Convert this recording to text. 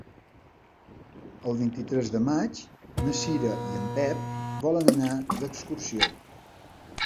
El vint-i-tres de maig na Cira i en Pep volen anar d'excursió.